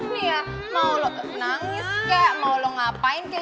nih ya mau lo nangis kayak mau lo ngapain